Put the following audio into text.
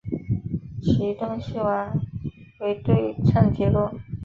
其中东西斋为对称结构。